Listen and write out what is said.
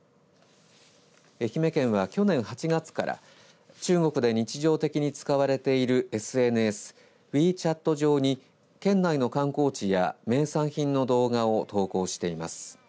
愛媛県は、去年８月から中国で日常的に使われているＳＮＳＷｅＣｈａｔ上に県内の観光地や名産品の動画を投稿しています。